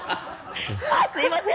すみません！